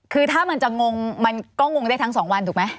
คือถ้ามันจะงงมันก็งงได้ทั้งสองวันถูกไหม